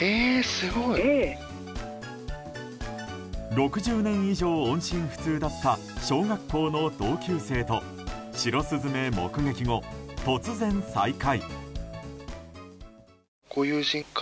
６０年以上、音信不通だった小学校の同級生と白スズメ目撃後、突然再会。